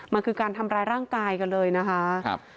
มันคือการทำร้ายร่างกายกันเลยนะคะ